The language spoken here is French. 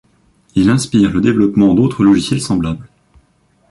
Il inspire le développement d'autres logiciels semblables.